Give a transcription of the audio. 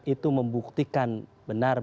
itu membuktikan benar